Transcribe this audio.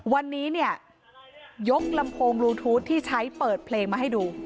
วันนี้เนี่ยยกลำโพงลูทูธที่ใช้เปิดเพลงมาให้ดู